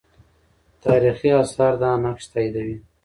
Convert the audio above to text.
تاریخي آثار دا نقش تاییدوي.